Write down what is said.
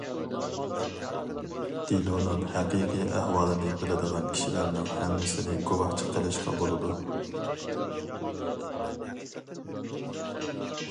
دېلونىڭ ھەقىقىي ئەھۋالىنى بىلىدىغان كىشىلەرنىڭ ھەممىسىنى گۇۋاھچى قىلىشقا بولىدۇ.